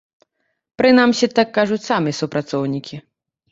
Прынамсі, так кажуць самі супрацоўнікі.